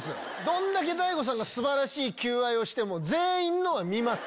どんだけ大悟さんが素晴らしい求愛をしても全員のは見ます。